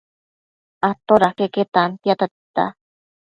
Atoda queque tantia tita